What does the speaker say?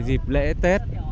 dịp lễ tết